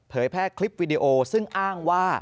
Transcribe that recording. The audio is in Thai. แพร่คลิปวิดีโอซึ่งอ้างว่า